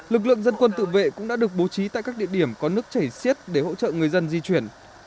lực lượng dân quân tự vệ cũng đã được bố trí tại các địa điểm có nước chảy xiết để hỗ trợ người dân di chuyển